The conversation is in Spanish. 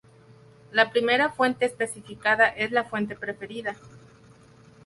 La primera fuente especificada es la fuente preferida.